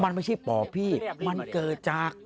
มันไม่ใช่ปอบพี่มันเกิดจาก